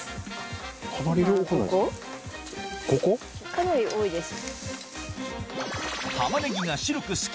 かなり多いです。